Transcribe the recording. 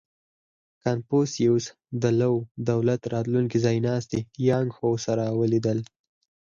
• کنفوسیوس د لو دولت راتلونکی ځایناستی یانګ هو سره ولیدل.